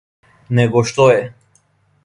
Него што је!